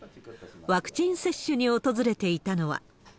ワクチン接種に訪れていたのは。